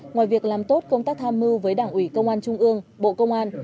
ngoài việc làm tốt công tác tham mưu với đảng ủy công an trung ương bộ công an